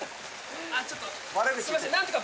あっちょっとすいません何とか。